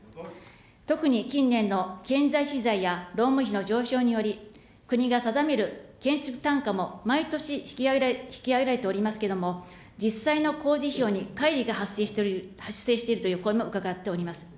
特に近年の建材、資材や労務費の上昇により、国が定める建築単価も毎年引き上げられておりますけども、実際の工事費用にかい離が発生しているという声も伺っております。